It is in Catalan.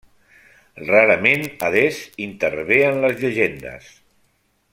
Rarament Hades intervé en les llegendes.